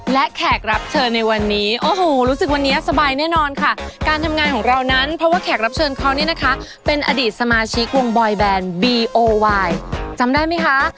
และแขกรับเชิญในวันนี้โอ้โหรู้สึกวันนี้สบายแน่นอนค่ะการทำงานของเรานั้นเพราะว่าแขกรับเชิญเขาเนี่ยนะคะเป็นอดีตสมาชิกวงบอยแบนบีโอวายจำได้ไหมคะ